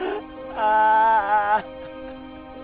ああ